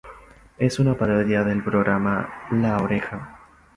Es una parodia del programa La Oreja.